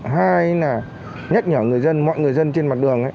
hai là nhắc nhở người dân mọi người dân trên mặt đường